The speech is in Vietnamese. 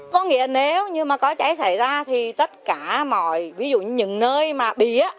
có nghĩa nếu như mà có cháy xảy ra thì tất cả mọi ví dụ như những nơi mà bìa